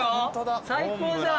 最高じゃん。